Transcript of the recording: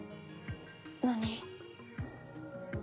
何？